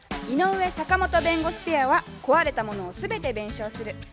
井上・坂本弁護士ペアは「壊れたものを全て弁償する」